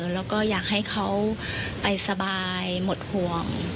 แล้วก็อยากให้เขาไปสบายหมดห่วง